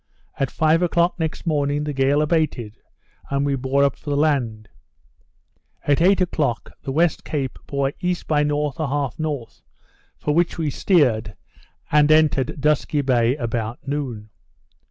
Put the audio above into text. At five o'clock next morning, the gale abated, and we bore up for the land; at eight o'clock, the West Cape bore E. by N. 1/2 N., for which we steered, and entered Dusky Bay about noon.